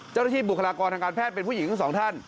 บุคลากรทางการแพทย์เป็นผู้หญิงทั้งสองท่าน